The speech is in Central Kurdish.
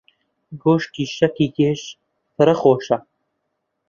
گۆشتی شەکی گێژ فرە خۆشە.